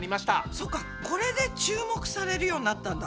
そっかこれで注目されるようになったんだ。